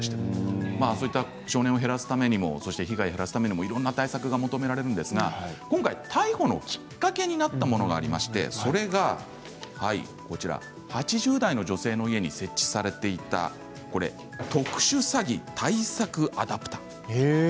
そういった少年を減らすためにも被害を減らすためにもいろいろな対策が求められるんですが今回、逮捕のきっかけになったものがありましてそれが８０代の女性の家に設置されていた特殊詐欺対策アダプタ。